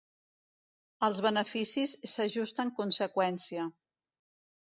Els beneficis s'ajusten conseqüència.